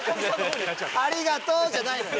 ありがとう！じゃないのよ。